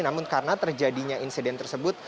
namun karena terjadinya insiden tersebut